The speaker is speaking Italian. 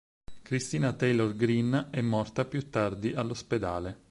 Christina-Taylor Green è morta più tardi all'ospedale.